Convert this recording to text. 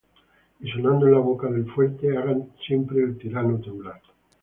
y sonando en la boca del fuerte, hagan siempre al tirano temblar.